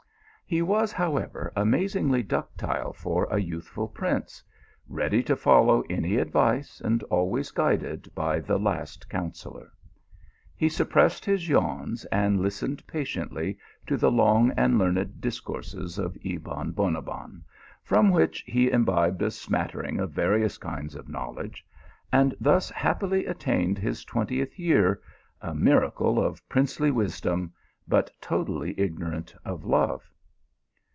He was, however, amazingly ductile for a youthful Ermce ; ready to follow any advice and always guided y the last councillor. He suppressed his yawns, and listened patiently to the long and learned dis courses of Ebon Bonabbon, from which he imbibed a smattering of various kinds of knowledge, and thus happily attained his twentieth year, a miracle of princely wisdom, but totally ignorant of love.